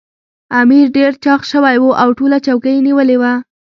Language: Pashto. امیر ډېر چاغ سړی وو او ټوله چوکۍ یې نیولې وه.